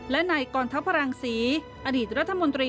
และนายกรทัพพลังศรีอดีตรัฐมนตรี